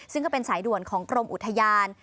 ซึ่งก็เป็นสายด่วนของกรมอุทยาน